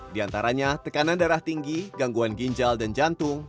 di antaranya tekanan darah tinggi gangguan ginjal dan jantung